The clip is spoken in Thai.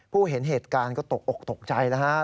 ผู้เห็นเหตุการณ์ก็ตกออกตกใจนะฮะ